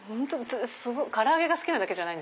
唐揚げが好きなだけじゃない？